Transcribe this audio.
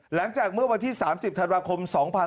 หลังจากเมื่อวันที่๓๐ธันวาคม๒๕๖๒